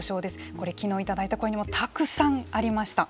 これ、きのういただいた声にもたくさんありました。